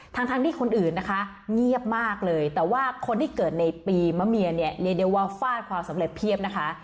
ทั้งที่คนอื่นนะคะเงียบมากเลยแต่ว่าคนที่เกิดในปีมะเมียเนี่ยเรียกได้ว่าฟาดความสำเร็จเพียบนะคะ